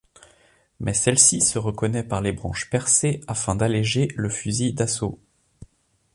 Mais celle-ci se reconnait par les branches percées afin d'alléger le fusil d'assaut.